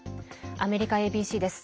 アメリカＡＢＣです。